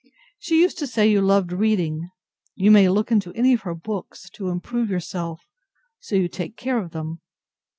She used to say you loved reading; you may look into any of her books, to improve yourself, so you take care of them.